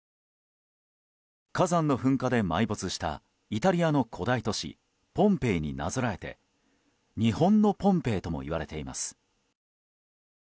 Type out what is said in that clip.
火山の噴火で埋没したイタリアの古代都市ポンペイになぞらえて日本のポンペイともいわれています。